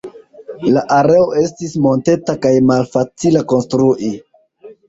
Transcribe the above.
La areo estis monteta kaj malfacila konstrui.